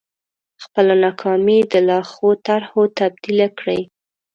خپله ناکامي د لا ښو طرحو تبديله کړئ.